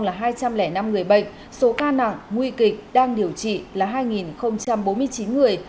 số người bệnh tử vong là hai trăm linh năm người bệnh số ca nặng nguy kịch đang điều trị là hai bốn mươi chín người